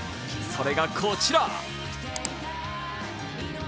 それがこちら。